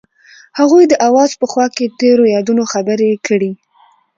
هغوی د اواز په خوا کې تیرو یادونو خبرې کړې.